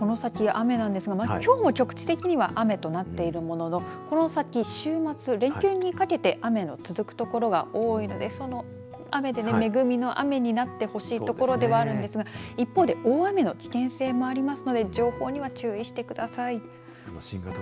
この先の雨ですがきょうは局地的には雨となっているもののこの先、週末、連休にかけて雨の続く所が多いのでその雨で、恵みの雨になってほしいところではあるんですが一方で大雨の危険性もありますので情報には注意してください。